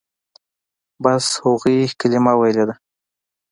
بس هغوى کلمه ويلې ده.